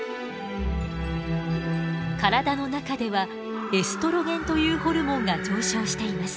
体の中ではエストロゲンというホルモンが上昇しています。